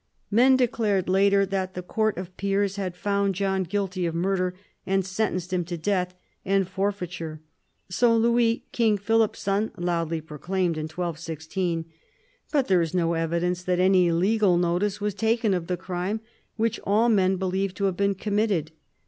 Men declared later that the court of peers had found John guilty of murder, and sentenced him to death and for feiture. So Louis, King Philip's son, loudly proclaimed in 1216 : but there is no evidence that any legal notice was taken of the crime which all men believed to have been committed.